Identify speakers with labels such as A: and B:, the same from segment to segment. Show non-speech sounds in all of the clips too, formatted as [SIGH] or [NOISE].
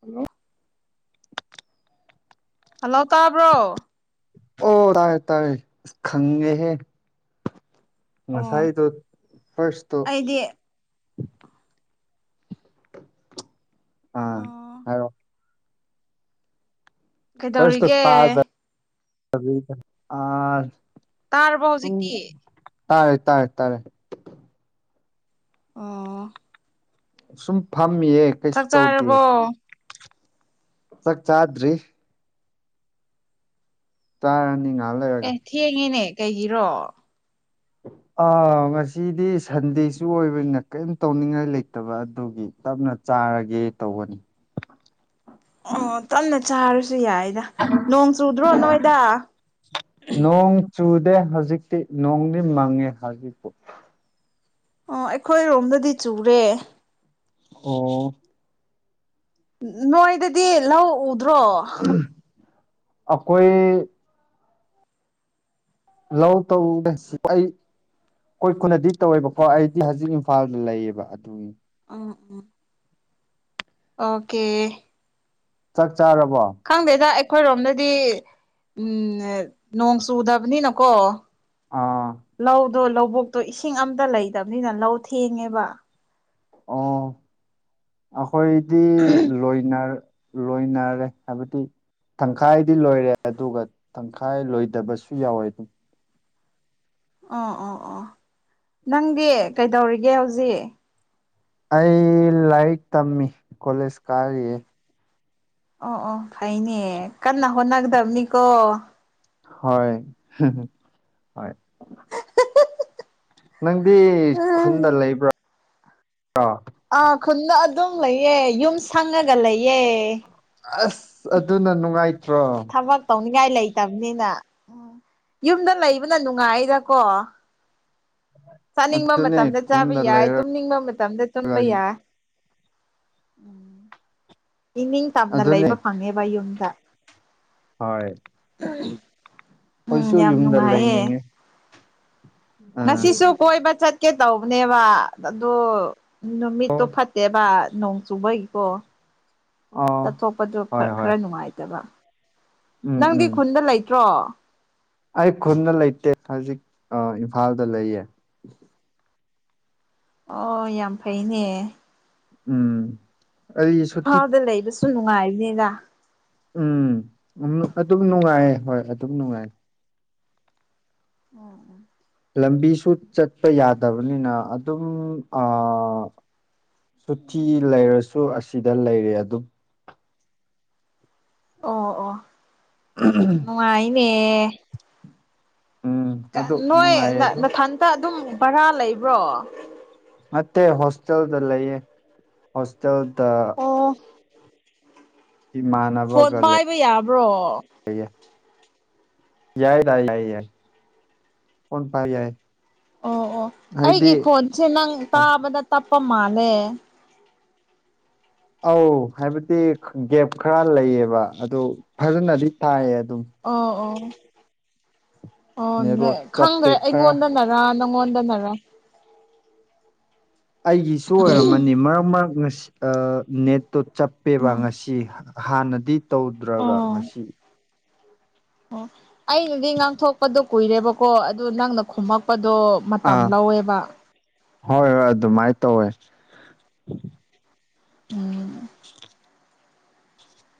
A: hello
B: hello ꯇꯥꯕ꯭ꯔꯣ
A: ꯑꯣ ꯇꯥ ꯇꯥ ꯈꯪꯒꯦꯍꯦ ꯉꯁꯥꯏ
B: ꯑꯣ
A: ꯐꯔꯁ
B: ꯑꯩꯗꯤ
A: ꯑꯥ
B: ꯑꯣ
A: ꯍꯥꯏ ꯐꯥꯔꯁꯇꯣ
B: ꯀꯩꯗꯧꯔꯤꯒꯦ
A: ꯑꯥ
B: ꯇꯥꯔꯔꯕ
A: ꯁꯨꯝ
B: ꯍꯧꯖꯤꯛꯇꯤ
A: ꯇꯥꯔꯦ ꯇꯥꯥꯏꯦ ꯇꯥꯔꯦ
B: ꯑꯣ
A: ꯁꯨꯝ ꯐꯝꯃꯤꯌꯦ ꯀꯩꯁꯨ
B: ꯆꯥꯛ
A: ꯇꯧꯗꯦ
B: ꯆꯥꯔꯕꯣ
A: ꯆꯥꯛ ꯆꯥꯗ꯭ꯔꯤ ꯇꯥꯅꯤꯡꯉ
B: ꯑꯦ ꯊꯦꯡꯉꯤꯅꯦ ꯀꯩꯒꯤꯔꯣ
A: ꯎ ꯑ ꯉꯁꯤꯗꯤ ꯁꯟꯗꯦꯁꯨ ꯑꯣꯏꯕꯅꯤꯅ ꯀꯔꯤꯝ ꯇꯧꯅꯤꯡꯉꯥꯏ ꯂꯩꯇꯕ ꯑꯗꯨꯒꯤ ꯇꯞꯅ ꯆꯥꯔꯒꯦ ꯇꯧꯕꯅꯤ
B: ꯑꯣ ꯇꯅ ꯆꯥꯔ ꯁꯨ ꯌꯥꯏꯗ ꯅꯣꯡ ꯆꯨꯗ꯭ꯔꯣ ꯅꯣꯏꯗ
A: ꯅꯣꯡ ꯆꯨꯗꯦ ꯍꯧꯖꯤꯛꯇꯤ ꯅꯣꯡꯗꯤ ꯃꯪꯉꯦ ꯍꯧꯖꯤꯛꯄꯨ
B: ꯑꯣ ꯑꯩꯈꯣꯏ ꯔꯣꯝꯗꯗꯤ ꯆꯨꯔꯦ
A: ꯑꯣ
B: ꯅꯣꯏꯗꯗꯤ ꯂꯧ ꯎꯗ꯭ꯔꯣ
A: ꯑꯈꯣꯏ ꯂꯧ ꯇꯁꯄꯏ ꯑꯩꯣꯏ ꯈꯨꯅꯗꯤ ꯇꯧꯋꯦꯕꯀꯣ ꯑꯩꯗꯤ ꯍꯧꯖꯤꯛ ꯏꯝꯐꯥꯜꯗ ꯂꯩꯌꯦꯕ ꯑꯗꯨꯒꯤ
B: ꯎꯝ ꯎꯝ ꯑꯣꯀꯦ
A: ꯆꯥꯛ ꯆꯥꯔꯕꯣ
B: ꯈꯪꯗꯦꯗ ꯑꯩꯈꯣꯏꯔꯣꯝꯗꯗꯤ ꯎ ꯅꯣꯡ ꯆꯨꯗꯕꯅꯤꯅꯀꯣ
A: ꯑꯥ
B: ꯂꯧꯎ ꯑꯗꯣ ꯂꯧꯕꯣꯛꯛꯇꯣ ꯏꯁꯤꯡ ꯑꯝꯇ ꯂꯩꯇꯕꯅꯤꯅ ꯂꯧ ꯊꯦꯡꯉꯦꯕ
A: ꯑꯣ ꯑꯩꯈꯣꯏꯗꯤ ꯂꯣꯏꯅ ꯂꯣꯏꯅꯔꯦ ꯍꯥꯏꯕꯗꯤ ꯇꯪꯈꯥꯏꯗꯤ ꯂꯣꯏꯔꯦ ꯑꯗꯨꯒ ꯇꯪꯈꯥꯏ ꯂꯣꯏꯗꯕꯁꯨ ꯌꯥꯎꯋꯦ ꯑꯗꯨꯝ
B: ꯑꯣ ꯑꯣ ꯑꯣ ꯅꯪꯗꯤ ꯀꯩꯗꯧꯔꯤꯒꯦ ꯍꯧꯖꯤꯛ
A: ꯑꯩ ꯂꯥꯏꯔꯤꯛ ꯇꯝꯃꯤ ꯀꯣꯂꯦꯖ ꯀꯥꯔꯤꯌꯦꯦ
B: ꯑꯣ ꯑꯣ ꯐꯩꯅꯦ ꯀꯟꯅ ꯍꯣꯠꯅꯒꯗꯕꯅꯤꯀꯣ
A: ꯍꯣꯏ ꯍ ꯅꯪꯗꯤ ꯈꯨꯟꯗ ꯂꯩꯕ꯭ꯔꯣ
B: ꯑꯥ ꯈꯨꯟꯗ ꯑꯗꯨꯝ ꯂꯩꯌꯦ ꯌꯨꯝ ꯁꯪꯉꯒ ꯂꯩꯌꯦ
A: ꯑꯁ ꯑꯗꯨꯅ ꯅꯨꯡꯉꯥꯏꯇ꯭ꯔꯣ
B: ꯊꯕꯛ ꯇꯧꯅꯤꯡꯉꯥꯏ ꯂꯩ ꯂꯩꯕꯅꯤꯅ ꯌꯨꯝꯗ ꯂꯩꯕꯅ ꯅꯨꯡꯉꯥꯏꯗꯀꯣ ꯆꯥꯅꯤꯡꯕ
A: ꯑꯗꯨꯅꯦ
B: ꯃꯇꯝꯗ ꯆꯥꯕ
A: ꯈꯨꯟꯗ
B: ꯌꯥꯏ
A: ꯂꯩꯔꯒ
B: ꯇꯨꯝꯅꯤꯡꯕ ꯃꯇꯝꯗ ꯇꯨꯝꯕ ꯌꯥꯏ ꯎꯝ ꯏꯅꯤꯡ ꯇꯝꯅ
A: ꯑꯗꯨꯅꯦ
B: ꯂꯩꯕ ꯐꯪꯉꯦꯕ ꯌꯨꯝꯗ
A: ꯍꯣꯏ
B: ꯎꯝ
A: ꯑꯩꯈꯣꯏꯁꯨ
B: ꯌꯥꯝ
A: ꯌꯨꯝꯗ
B: ꯅꯨꯡꯉꯥꯏꯌꯦꯦ
A: ꯂꯩꯅꯤꯡꯉꯦ ꯑꯥ
B: ꯉꯁꯤꯁꯨ ꯀꯣꯏꯕ ꯆꯠꯀꯦ ꯇꯧꯕꯅꯦꯕ ꯑꯗꯨ
A: ꯑꯣ
B: ꯅꯨꯃꯤꯠꯇꯣ ꯐꯠꯇꯦꯕ ꯅꯣꯡ ꯆꯨꯕꯒꯤꯀꯣ
A: ꯑꯥ
B: ꯆꯠꯊꯣꯛꯄꯗꯨ
A: ꯍꯣꯏ ꯍꯣꯏ
B: ꯈꯔ ꯅꯨꯡꯉꯥꯏꯇꯕ
A: ꯎꯝ
B: ꯅꯪꯗꯤ
A: ꯎꯝ
B: ꯈꯨꯟꯗ ꯂꯩꯇ꯭ꯔꯣ
A: ꯑꯩ ꯈꯨꯟꯗ ꯂꯩꯇꯦ ꯍꯧꯖꯤꯛ ꯏꯝꯐꯥꯜꯗ ꯂꯩꯌꯦ
B: ꯑꯣ ꯌꯥꯝ ꯐꯩꯅꯦ
A: ꯎꯝ ꯑꯩ ꯁꯨꯇꯤ
B: ꯐꯥꯎꯗ ꯂꯩꯕꯁꯨ ꯅꯨꯡꯉꯥꯏꯔꯤꯅꯤꯗ
A: ꯎꯝ ꯑꯗꯨꯝ ꯅꯨꯡꯉꯥꯏꯌꯦ ꯍꯣꯏ ꯑꯗꯨꯝ ꯅꯨꯡꯉꯥꯏ
B: ꯎꯝ ꯎꯝ
A: ꯂꯝꯕꯤꯁꯨ ꯆꯠꯄ ꯌꯥꯗꯕꯅꯤꯅ ꯑꯗꯨꯝ ꯁꯨꯇꯤ ꯂꯩꯔꯁꯨ ꯑꯁꯤꯗ ꯂꯩꯔ ꯑꯗꯨꯝ
B: ꯑꯣ ꯑꯣ ꯅꯨꯡꯉꯥꯏꯅꯦ
A: ꯎꯝ ꯑꯗꯨ
B: ꯅꯣꯏ
A: ꯅꯨꯡꯉꯥꯏꯌꯦ ꯑꯗꯨꯝ
B: ꯃꯊꯟꯇ ꯑꯗꯨꯝ ꯚꯔꯥ ꯂꯩꯕ꯭ꯔꯣ
A: ꯃꯦ ꯍꯣꯁꯇꯦꯦꯜꯗ ꯂꯩꯑꯦ ꯍꯣꯁꯇꯦꯦꯜꯗ
B: ꯑꯣ ꯐꯣꯟ
A: ꯏꯃꯥꯟꯅꯕꯒ
B: ꯄꯥꯏꯕ ꯌꯥꯕ꯭ꯔꯣ
A: ꯂꯩꯌꯦ ꯌꯥꯏꯗ ꯌꯥꯏ ꯌꯥꯏ ꯀꯟ ꯄꯥꯏ ꯌꯥꯏ
B: ꯑꯣ ꯑꯣ
A: ꯍꯥꯏꯗꯤ
B: ꯑꯩꯒꯤ ꯈꯣꯟꯁꯦ ꯅꯪ ꯇꯥꯕꯗ ꯇꯞꯄ ꯃꯥꯜꯂꯦ
A: ꯑꯧ ꯍꯥꯏꯕꯗꯤ ꯒꯦꯞ ꯈꯔ ꯂꯩꯌꯦꯕ ꯑꯗꯨ ꯐꯖꯅꯗꯤ ꯊꯥꯏꯌꯦ ꯑꯗꯨꯝ
B: ꯑꯣ ꯑꯣ ꯑꯣꯅꯦ
A: ꯅꯦꯠꯋꯥꯛ ꯆꯞꯄꯦ
B: ꯈꯪꯈ꯭ꯔꯦ
A: ꯈꯔ
B: ꯑꯩꯉꯣꯟꯗꯅꯔ ꯅꯪꯉꯣꯟꯗꯅꯔ
A: ꯑꯩꯒꯤꯁꯨ ꯑꯣꯏꯔꯝꯃꯅꯤ ꯃꯔꯛ ꯃꯔꯛꯁꯤ ꯅꯦꯠꯇꯣ ꯆꯞꯄꯦꯕ
B: ꯎꯝ
A: ꯉꯁꯤ ꯍꯥꯟꯅꯗꯤ ꯇꯧꯗ꯭ꯔꯒ
B: ꯑꯣ
A: ꯉꯁꯤ
B: ꯑꯣ ꯑꯩꯅꯗꯤ ꯉꯥꯡꯊꯣꯛꯄꯗꯣ ꯀꯨꯏꯔꯦꯕꯀꯣ ꯑꯗꯨ ꯅꯪꯅ ꯈꯨꯝꯃꯛꯄꯗ ꯑꯗꯣ ꯃꯇꯝ
A: ꯑꯥ
B: ꯂꯧꯋꯦꯕ
A: ꯍꯣꯏ ꯍꯣꯏ ꯑꯗꯨꯃꯥꯏꯅ ꯇꯧꯋꯦ
B: ꯎꯝ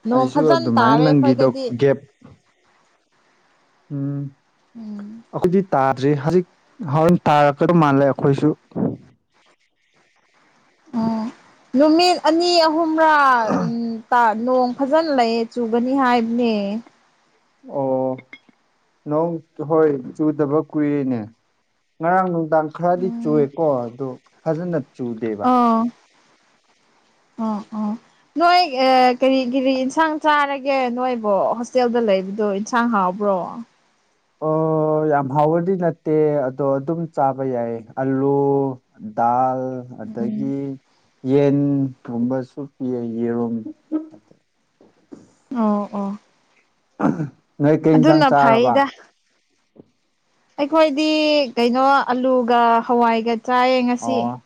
B: ꯅꯣꯡ
A: ꯑꯩꯁꯨ
B: ꯐꯖꯅ
A: ꯑꯗꯨꯃꯥꯏꯅ
B: ꯇꯥꯔꯦ
A: ꯂꯪꯈꯤꯗꯣ
B: ꯑꯩꯈꯣꯏꯗꯗꯤ
A: ꯒꯦꯞ ꯎꯝ ꯑꯈꯖꯤꯠ ꯇꯥꯗ꯭ꯔꯤ ꯍꯧꯖꯤꯛ ꯍꯣꯔꯦꯟ ꯇꯥꯔꯛꯀꯗꯧ ꯃꯥꯜꯂꯦ ꯑꯩꯈꯣꯏꯁꯨ
B: ꯎꯝ ꯅꯨꯃꯤꯠ ꯑꯅꯤ ꯑꯍꯨꯝꯔꯥ ꯅꯣꯡ ꯐꯖꯅ ꯂꯩꯌꯦ ꯆꯨꯒꯅꯤ ꯍꯥꯏꯕꯅꯦ
A: ꯑꯣ ꯅꯣꯡ ꯍꯣꯏ ꯆꯨꯗꯕ ꯀꯨꯏꯔꯅꯦ ꯉꯔꯥꯡ ꯗꯥꯥꯡ ꯈꯔꯗꯤ
B: ꯎꯝ
A: ꯆꯨꯑꯦꯀꯣ ꯑꯗꯨ ꯐꯖꯅ ꯆꯨꯗꯦꯕ
B: ꯎꯝ ꯎꯝ ꯅꯣꯏ ꯀꯔꯤꯒꯤꯔꯤ ꯏꯟꯁꯥꯡ ꯆꯥꯔꯒꯦ ꯅꯣꯏꯕꯨꯣ ꯍꯣꯁꯇꯦꯜꯗ ꯂꯩꯕꯗꯣ ꯏꯟꯁꯥꯡ ꯍꯥꯎꯕ ꯕ꯭ꯔꯣ
A: ꯑꯣ ꯑꯣ ꯌꯥꯝ ꯍꯥꯎꯕꯗꯤ ꯅꯠꯇꯦ ꯑꯗꯣ ꯑꯗꯨꯝ ꯆꯥꯕ ꯌꯥꯏ ꯑꯂꯨ ꯗꯥꯜ
B: ꯎꯝ
A: ꯑꯗꯒꯤ ꯌꯦꯟꯒꯨꯝꯕꯁꯨ ꯄꯤꯌꯦ ꯌꯦꯔꯨꯝ
B: ꯑꯣ ꯑꯣ
A: ꯅꯣꯏ ꯀꯩ ꯌꯦꯟꯁꯥꯡ
B: ꯑꯗꯨꯅ
A: ꯆꯥꯔꯕ
B: ꯐꯩꯗ ꯑꯩꯈꯣꯏꯗꯤ ꯀꯩꯅꯣ ꯑꯂꯨꯒ ꯍꯋꯥꯏꯒ ꯆꯥꯏꯌꯦ ꯉꯁꯤ
A: ꯑꯣ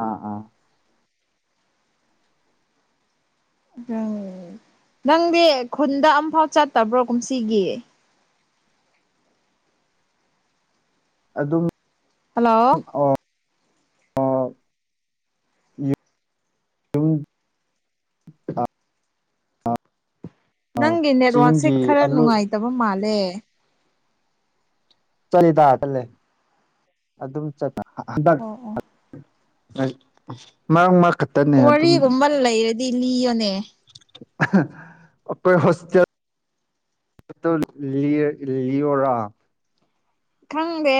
A: ꯑꯥ ꯑꯥ
B: ꯎꯝ ꯅꯪꯗꯤ ꯈꯨꯟꯗ ꯑꯝꯐꯥꯎ ꯆꯠꯇꯕ꯭ꯔꯣ ꯀꯨꯝꯁꯤꯒꯤ
A: ꯑꯗꯨꯝ
B: ꯍꯜꯂꯣ
A: ꯌꯦ ꯑ ꯑꯥ
B: ꯅꯪꯒꯤ ꯅꯦꯠꯋꯥꯔꯛꯁꯦ ꯈꯔ
A: ꯑꯂꯨ
B: ꯅꯨꯡꯉꯥꯏꯇꯕ ꯃꯥꯜꯂꯦ
A: ꯆꯠꯂꯤ ꯇ ꯆꯜꯂꯦ ꯑꯗꯨꯝ ꯆꯠ ꯍꯟꯇꯛ
B: ꯑꯣ ꯑꯣ
A: ꯃꯥꯥꯡ ꯃꯥ
B: ꯋꯥꯔꯤꯒꯨꯝꯕ ꯂꯩꯔꯗꯤ ꯂꯤꯌꯣꯅꯦ
A: ꯑꯈꯣꯏ ꯍꯣꯁꯇꯦꯜ ꯑꯥꯇꯨ ꯂꯤꯌꯔ ꯂꯤꯌꯣꯔꯥ
B: ꯈꯪꯗꯦ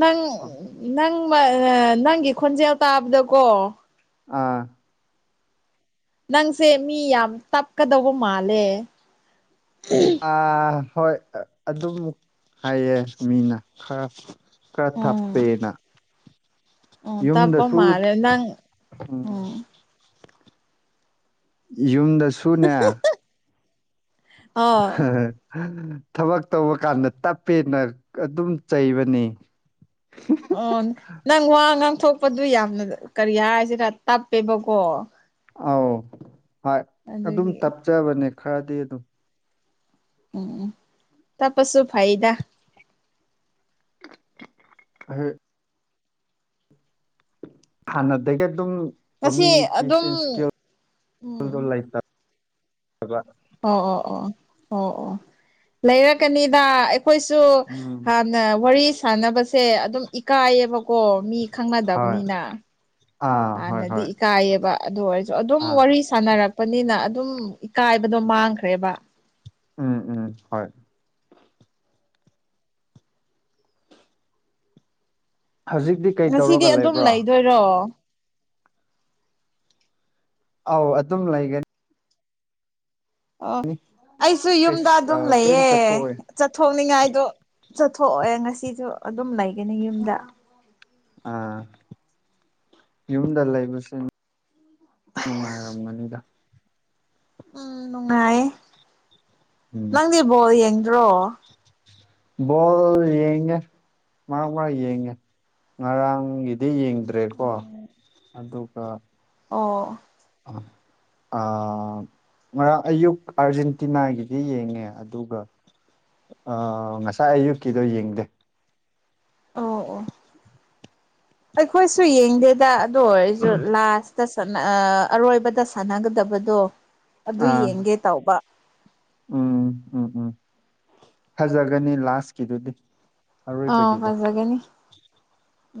B: ꯅꯪ ꯅꯪ ꯃ ꯅꯪꯒꯤ ꯈꯣꯟꯖꯦꯜ ꯇꯥꯕꯗꯀꯣ
A: ꯑꯥ
B: ꯅꯪꯁꯦ ꯃꯤ ꯌꯥꯝ ꯇꯞꯀꯗꯧꯕ ꯃꯥꯜꯂꯦ
A: ꯑ ꯍꯣꯏ ꯑꯗꯨꯝꯃꯨꯛ ꯍꯥꯏꯌꯦ ꯃꯤꯅ ꯈꯔ ꯈꯔ
B: ꯎꯝ
A: ꯊꯞꯄꯦꯅ
B: ꯎꯝ ꯇꯞꯄ
A: ꯌꯨꯝꯗꯁꯨ
B: ꯃꯥꯜꯂꯦ ꯅꯪ
A: ꯎꯝ ꯌꯨꯝꯗꯁꯨꯅꯦ
B: ꯑꯣ
A: ꯍ ꯍ ꯊꯕꯛ ꯇꯧꯕ ꯀꯥꯟꯗ ꯇꯞꯄꯦꯅ ꯑꯗꯨꯝ ꯆꯩꯕꯅꯤ
B: ꯑꯣ ꯅꯪ ꯋꯥ ꯉꯥꯡ ꯊꯣꯛ ꯑꯗꯨ ꯌꯥꯝꯅ ꯀꯔꯤ ꯍꯥꯏꯁꯤꯔ ꯇꯞꯄꯦꯕꯀꯣ
A: ꯑꯧ ꯍꯣꯏ ꯑꯗꯨꯝ
B: ꯑꯗꯨꯒꯤ
A: ꯇꯞꯆꯕꯅꯦ ꯈꯔꯗꯤ ꯑꯗꯨꯝ
B: ꯎꯝ ꯇꯄꯁꯨ ꯐꯩꯗ
A: ꯑꯍꯦ ꯍꯥꯟꯅꯗꯒꯤ ꯑꯗꯨꯝ
B: ꯉꯁꯤ ꯑꯗꯨꯝ
A: ꯀꯃꯨꯅꯤꯀꯦꯁꯟ ꯏꯁꯀꯤꯜ
B: ꯎꯝ
A: ꯂꯩꯇꯕ ꯑꯕꯥꯠ
B: ꯑꯣ ꯑꯣ ꯑꯣ ꯑꯣ ꯑꯣ ꯂꯩꯔꯛꯀꯅꯤꯗ ꯈꯣꯏꯁꯨ
A: ꯎꯝ
B: ꯍꯥꯟꯅ ꯋꯥꯔꯤ ꯁꯥꯟꯅꯕꯁꯦ ꯑꯗꯨꯝ ꯏꯀꯥꯏꯌꯦꯕꯀꯣ ꯃꯤ
A: ꯍꯣꯏ
B: ꯈꯪꯅꯗꯕꯅꯤꯅ
A: ꯑꯥ ꯍꯣꯏ
B: ꯍꯥꯟꯅꯗꯤ
A: ꯍꯣꯏ
B: ꯏꯀꯥꯏꯌꯦꯕ ꯑꯗꯨ ꯑꯣꯏꯔꯁꯨ ꯑꯗꯨꯝ
A: ꯑꯥ
B: ꯋꯥꯔꯤ ꯁꯥꯟꯅꯔꯛꯄꯅꯤꯅ ꯑꯗꯨꯝ ꯏꯀꯥꯏꯕꯗꯣ ꯃꯥꯡꯈ꯭ꯔꯦꯕ
A: ꯎꯝ ꯎꯝ ꯍꯣꯏ ꯍꯧꯖꯤꯛꯇꯤ ꯀꯩ
B: ꯉꯁꯤꯗꯤ
A: ꯇꯧꯔꯒ
B: ꯑꯗꯨꯝ
A: ꯂꯩꯕ꯭ꯔꯣ
B: ꯂꯩꯗꯣꯏꯔꯣ
A: ꯑꯥꯎ ꯑꯗꯨꯝ ꯂꯩꯒꯅꯤ
B: ꯑꯣ ꯑꯩꯁꯨ
A: ꯀꯩꯁ
B: ꯌꯨꯝꯗ
A: ꯑ
B: ꯑꯗꯨꯝ
A: ꯀꯩꯝ
B: ꯂꯩꯌꯦ
A: ꯆꯠꯊꯣꯛꯑꯣꯏ
B: ꯆꯠꯊꯣꯛꯅꯤꯡꯉꯥꯏ ꯑ ꯆꯠꯊꯣꯛꯑꯦ ꯉꯁꯤꯁꯨ ꯑꯗꯨꯝ ꯂꯩꯒꯅꯤ ꯌꯨꯝꯗ
A: ꯑꯥ ꯌꯨꯝꯗ ꯂꯩꯕꯁꯤꯟ ꯅꯨꯡꯉꯥꯏꯔꯝꯒꯅꯤꯗ
B: ꯎꯝ ꯅꯨꯡꯉꯥꯏ
A: ꯎꯝ
B: ꯅꯪꯗꯤꯕꯣ ꯌꯦꯡꯗ꯭ꯔꯣ
A: ꯕꯣꯜ ꯌꯦꯒꯦ ꯃꯥ ꯃꯥ ꯌꯦꯡꯉꯦ ꯉꯔꯥꯡꯒꯤꯗꯤ ꯌꯦꯡꯒꯦ ꯗ꯭ꯔꯦꯀꯣ
B: ꯑꯣ
A: ꯑꯗꯨꯒ
B: ꯑꯣ
A: ꯑ ꯉꯔꯥꯡ ꯑꯌꯨꯛ ꯑꯥꯔꯖꯦꯟꯇꯤꯅꯥꯒꯤꯗꯤ ꯌꯦꯡꯉꯦ ꯑꯗꯨꯒ ꯑ ꯉꯁꯥꯏ ꯑꯌꯨꯛꯀꯤꯗꯣ ꯌꯦꯡꯗꯦ
B: ꯑꯣ ꯑꯣ ꯑꯩꯈꯣꯏꯁꯨ ꯌꯦꯡꯗꯦꯗ ꯑꯗꯨ ꯑꯣꯏꯔꯁꯨ ꯂꯥꯁ ꯑꯔꯣꯏꯕꯗ ꯁꯥꯟꯅꯒꯗꯕꯗꯣ ꯑꯗꯨ
A: ꯑꯥ
B: ꯌꯦꯡꯒꯦ ꯇꯧꯕ
A: ꯎꯝ ꯎꯝ ꯎꯝ ꯐꯖꯒꯅꯤ ꯂꯥꯁꯀꯤꯗꯨꯗꯤ
B: ꯑ
A: ꯑꯔꯣꯏꯕꯒꯤꯗꯣ
B: ꯐꯖꯖꯒꯦꯅꯤ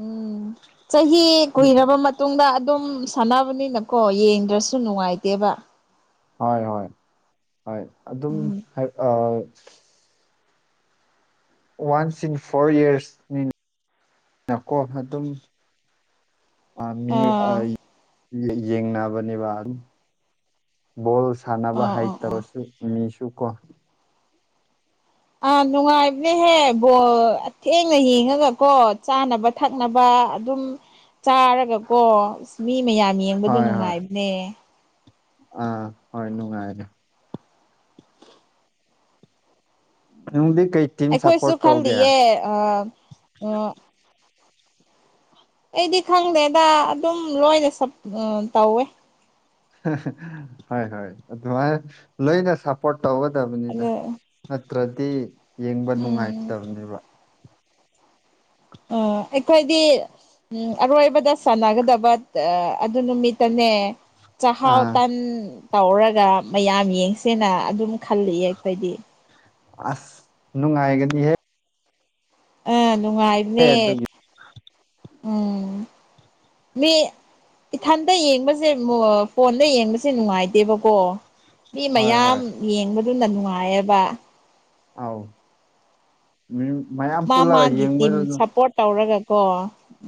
B: ꯎꯝ ꯆꯍꯤ ꯀꯨꯏꯔꯕ ꯃꯇꯨꯡꯗ ꯑꯗꯨꯝ ꯁꯥꯟꯅꯕꯅꯤꯅꯀꯣ ꯌꯦꯡꯗ꯭ꯔꯁꯨ ꯅꯨꯡꯉꯥꯏꯇꯦꯕ
A: ꯍꯣꯏ ꯍꯣꯏ ꯍꯣꯏ ꯑꯗꯨꯝ
B: ꯎꯝ
A: ꯋꯥꯟꯁ ꯏꯟ ꯐꯣꯔ ꯌꯔꯁꯅꯤ ꯅꯀꯣ ꯑꯗꯨꯝ ꯑ ꯃꯤ ꯑ
B: ꯑꯥ
A: ꯌꯦꯡꯅꯕꯅꯦꯕ ꯑꯗꯨꯝ ꯕꯣꯜ ꯁꯥꯟꯅꯕ
B: ꯑꯣ ꯑꯣ ꯑꯣ
A: ꯍꯩꯇ꯭ꯔꯁꯨ ꯃꯤꯁꯨ ꯆꯨꯀꯣ
B: ꯑꯥ ꯅꯨꯡꯉꯥꯏꯕꯅꯦꯍꯦ ꯕꯣꯊꯦꯡꯅ ꯌꯦꯡꯉꯒꯀꯣ ꯆꯥꯅꯕ ꯊꯛꯅꯕ ꯑꯗꯨꯝ ꯆꯥꯔꯒꯀꯣ ꯃꯤ ꯃꯌꯥꯝ ꯌꯦꯡꯕꯗ
A: ꯍꯣꯏ ꯍꯣꯏ
B: ꯅꯨꯡꯉꯥꯏꯕꯅꯦ
A: ꯑꯥ ꯍꯣꯏꯅꯅꯨꯡ ꯍꯥꯏꯥꯏꯔ ꯍ
B: ꯑꯩꯈꯣꯏꯁꯨ ꯈꯜꯂꯤꯌꯦ ꯑꯩꯗꯤ ꯈꯪꯗꯦꯗ ꯑꯗꯨꯝ ꯂꯣꯏꯅ ꯇꯧꯋꯦ
A: ꯍ ꯍꯣꯏ ꯊꯉꯥꯏ ꯂꯣꯏꯅꯦ ꯁꯄꯣꯔꯠ ꯇꯧꯒꯗꯕꯅꯤꯅ
B: ꯑꯗꯨ
A: ꯅꯠꯇ꯭ꯔꯗꯤ ꯌꯦꯡꯕ
B: ꯎꯝ
A: ꯅꯨꯡꯉꯥꯏꯇꯕꯅꯦꯕ
B: ꯑꯣ ꯑꯩꯈꯣꯏꯗꯤ ꯎꯝ ꯑꯔꯣꯏꯕꯗ ꯁꯥꯟꯅꯒꯗꯕ ꯑꯗꯨ ꯅꯨꯃꯤꯠꯇꯅꯦ ꯆꯍꯥꯎ
A: ꯑꯥ
B: ꯇꯥꯟ ꯇꯧꯔꯒ ꯃꯌꯥꯝ ꯌꯦꯡꯁꯦꯅ ꯑꯗꯨꯝ ꯈꯜꯜꯂꯤꯑ ꯑꯩꯈꯣꯏꯗꯤ
A: ꯑꯁ ꯅꯅꯨꯡꯥꯏꯑꯒꯗꯤꯍꯦ
B: ꯑ ꯅꯨꯡꯉꯥꯏꯕ꯭ꯔꯦ
A: ꯑꯗꯨꯒꯤ
B: ꯎꯝ ꯃꯤ ꯏꯊꯟꯇ ꯌꯦꯡꯕꯁꯦ ꯐꯣꯟꯗ ꯌꯦꯡꯕꯁꯦ ꯅꯨꯡꯉꯥꯏꯇꯦꯕꯀꯣ ꯃꯤ
A: ꯍꯣꯏ
B: ꯃꯌꯥꯝ
A: ꯍꯣꯏ
B: ꯌꯦꯡꯕꯗꯨꯅ ꯅꯨꯡꯉꯥꯏꯌꯦꯕ
A: ꯑꯥꯎ ꯃꯤ ꯃꯌꯥꯝ
B: ꯃꯥ
A: ꯄꯨꯜꯂꯒ
B: ꯃꯥꯒꯤ ꯇꯤꯝ
A: ꯌꯦꯡꯕꯗꯨꯅ
B: ꯁꯞꯄꯣꯔꯠ ꯇꯧꯔꯒꯀꯣ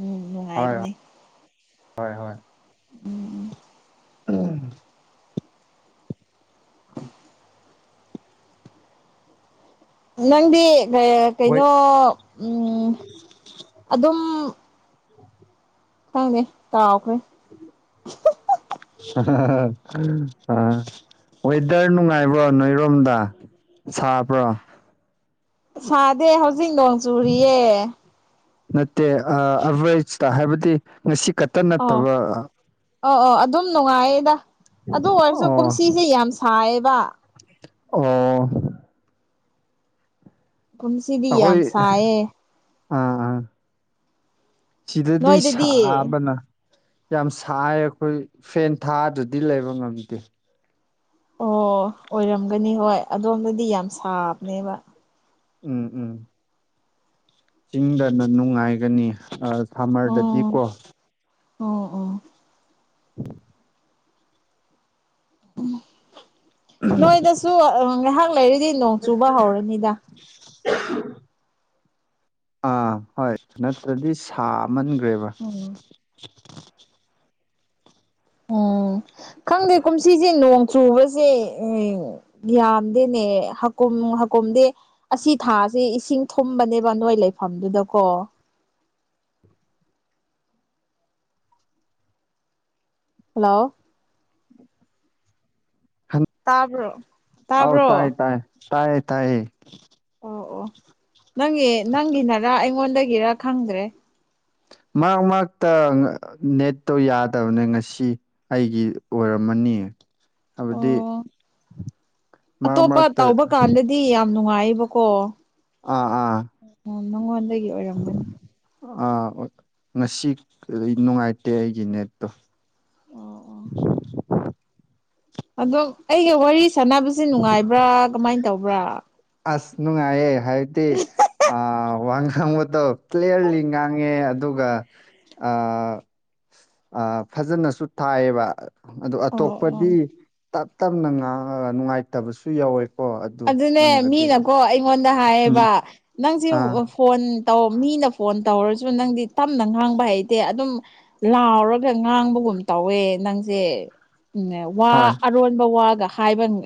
B: ꯎꯝ
A: ꯍꯣꯏ ꯍꯣꯏ
B: ꯅꯨꯡꯉꯥꯏꯕꯅꯦ
A: ꯍꯣꯏ ꯍꯣꯏ
B: ꯎꯝ ꯎ
A: ꯑ
B: ꯎ ꯅꯪꯗꯤ ꯀꯩꯅꯣ ꯎꯝ ꯑꯗꯨꯝ
A: [UNINTELLIGIBLE]
B: ꯊꯪꯦ ꯇ ꯑꯣꯈꯦ
A: ꯑ ꯋꯦꯗꯔ ꯅꯨꯡꯉꯥꯏꯕ꯭ꯔꯣ ꯅꯣꯏꯔꯣꯝꯗ ꯁꯥꯕ꯭ꯔꯣ
B: ꯁꯥꯗꯦ ꯍꯧꯖꯤꯛ ꯅꯣꯡ ꯆꯨꯔꯤꯌꯦ
A: ꯅꯠꯇꯦ ꯑꯚꯔꯦꯁꯇ ꯍꯥꯏꯕꯗꯤ ꯉꯁꯤ ꯈꯛꯇ ꯅꯠꯇꯕ
B: ꯑ ꯑ ꯑꯗꯨꯝ ꯅꯨꯡꯉꯥꯏꯌꯦꯗ ꯑꯗꯨ ꯑꯣꯏꯔꯁꯨ
A: ꯑꯣ
B: ꯀꯨꯝꯁꯤꯁꯦ ꯌꯥꯝ ꯁꯥꯏꯌꯦꯕ
A: ꯑꯣ
B: ꯀꯨꯝꯁꯤꯕꯤ ꯌꯥꯝꯁꯌꯦ
A: ꯑꯝ ꯎꯝ ꯁꯤꯗꯗꯤ
B: ꯅꯣꯏꯗꯗꯤ
A: ꯁꯥꯕꯅ ꯌꯥꯝ ꯁꯥꯏ ꯑꯩꯈꯣꯏ ꯐꯦꯟ ꯊꯥꯗꯗꯤ ꯂꯩꯕ ꯉꯝꯗꯦ
B: ꯑꯣ ꯑꯣꯏꯔꯝꯒꯅꯤ ꯍꯣꯏ ꯑꯗꯣꯝꯗꯗꯤ ꯌꯥꯝ ꯁꯥꯕꯅꯦꯕ
A: ꯎꯝ ꯎꯝ ꯆꯤꯡꯗꯅ ꯅꯨꯡꯉꯥꯏꯒꯅꯤ ꯁꯝꯃꯔꯗꯗꯤ
B: ꯑꯣ
A: ꯀꯣ
B: ꯑꯣ ꯑꯣ
A: [UNINTELLIGIBLE]
B: ꯎ ꯅꯣꯏꯗꯁꯨ ꯉꯥꯏꯍꯥꯛ ꯂꯩꯔꯤꯗꯤ ꯅꯣꯡ ꯆꯨꯕ ꯍꯧꯔꯅꯤꯗ
A: ꯑꯥ ꯍꯣꯏ ꯅꯠꯇ꯭ꯔꯗꯤ ꯁꯥꯃꯟꯈ꯭ꯔꯦꯕ
B: ꯎꯝ ꯎꯝ ꯈꯪꯗꯦ ꯀꯨꯝꯁꯤꯁꯦ ꯅꯣꯡ ꯆꯨꯕꯁꯦ ꯌꯥꯝꯗꯦꯅꯦ ꯍꯀꯨꯝ ꯍꯥꯀꯨꯝꯗꯦ ꯑꯁꯤ ꯊꯥꯁꯦ ꯏꯁꯤꯡ ꯊꯨꯝꯕꯅꯦꯕ ꯅꯣꯏ ꯂꯩꯐꯝꯗꯨꯗꯀꯣ ꯍꯜꯂꯣ ꯇꯥꯕ꯭ꯔꯣ
A: ꯑ
B: ꯇꯥꯕ꯭ꯔꯣ
A: ꯇꯥꯏ ꯇꯥꯏ ꯇꯥꯏꯌꯦ ꯇꯥꯏꯌꯦ
B: ꯑꯣ ꯑꯣ ꯅꯪꯒꯤ ꯅꯪꯒꯤꯅꯔ ꯑꯩꯉꯣꯟꯗꯒꯤꯔ ꯈꯪꯗ꯭ꯔꯦ
A: [INAUDIBLE] [UNINTELLIGIBLE] ꯃꯥ ꯃꯥꯛꯇ ꯅꯦꯠꯇꯣ ꯌꯥꯗꯕꯅꯦ ꯉꯁꯤ ꯑꯩꯒꯤ ꯑꯣꯏꯔꯝꯃꯅꯤ ꯍꯥꯏꯕꯗꯤ
B: ꯑꯣ
A: ꯃꯔꯛ ꯃꯔꯛꯇ
B: ꯅꯨꯡꯉꯥꯏꯕꯀꯣ
A: ꯑꯥ ꯑꯥ
B: ꯑꯣ ꯅꯪꯣ ꯑꯣꯏꯔꯅꯤ
A: ꯑ ꯉꯁꯤ ꯅꯨꯡꯉꯥꯏꯇꯦ ꯑꯩꯒꯤ ꯅꯦꯠꯇꯣ
B: ꯑꯣ ꯑꯣ
A: [UNINTELLIGIBLE] [INAUDIBLE]
B: ꯑꯗꯣ ꯑꯩꯒ ꯋꯥꯔꯤ ꯁꯥꯟꯅꯕꯁꯦ ꯅꯨꯡꯉꯥꯏꯕ꯭ꯔꯥ ꯀꯃꯥꯏꯅ ꯇꯧꯕ꯭ꯔꯥ
A: ꯑꯁ ꯅꯨꯡꯉꯥꯏꯌꯦ ꯍꯥꯏꯕꯗꯤ ꯋꯥ ꯉꯥꯡꯕꯗꯣ ꯀ꯭ꯂꯤꯌꯥꯔꯂꯤ ꯉꯥꯡꯉꯦ ꯑꯗꯨꯒ ꯐꯖꯅꯁꯨ ꯊꯥꯏꯌꯦꯕ ꯑꯗꯨ
B: ꯑꯣ
A: ꯑꯇꯣꯞꯄꯗꯤ
B: ꯑꯣ
A: ꯇꯞ ꯇꯞꯅ ꯉꯥꯡꯉꯒ ꯅꯨꯡꯉꯥꯏꯇꯕꯁꯨ ꯌꯥꯎꯋꯦ
B: ꯑꯗꯨꯅꯦ ꯃꯤꯅꯀꯣ ꯑꯩꯉꯣꯟꯗ
A: ꯎꯝ
B: ꯍꯥꯏꯌꯦꯕ ꯅꯪꯁꯤ
A: ꯑꯥ
B: ꯐꯣꯟ ꯃꯤꯅ ꯐꯣꯟ ꯇꯧꯔꯁꯨ ꯅꯪꯗꯤ ꯇꯞꯅ ꯉꯥꯡꯕ ꯍꯩꯇꯦ ꯑꯗꯨꯝ ꯂꯥꯎꯔꯒ ꯉꯥꯡꯕꯒꯨꯝ ꯀꯨꯝ ꯇꯧꯋꯦ ꯅꯪꯁꯦ ꯎ ꯋꯥ
A: ꯍꯣꯏ
B: ꯑꯔꯣꯟꯕ ꯋꯥꯒ ꯍꯥꯏꯕ